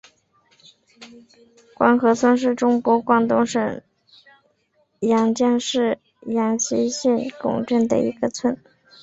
官河村是中国广东省阳江市阳西县织贡镇的一个村。